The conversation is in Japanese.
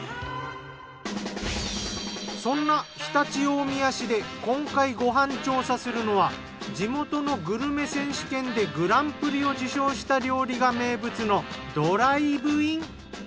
そんな常陸大宮市で今回ご飯調査するのは地元のグルメ選手権でグランプリを受賞した料理が名物のドライブイン。